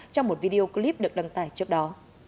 trong một video clip được đăng tải trước đó